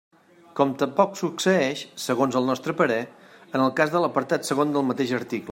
Com tampoc succeeix, segons el nostre parer, en el cas de l'apartat segon del mateix article.